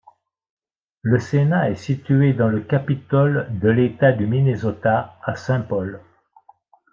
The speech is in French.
Le Sénat est situé dans le Capitole de l'État du Minnesota à Saint Paul.